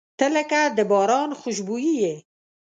• ته لکه د باران خوشبويي یې.